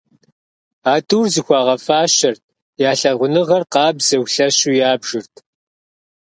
А тӏур зыхуагъэфащэрт, я лъагъуныгъэр къабзэу, лъэщу ябжырт.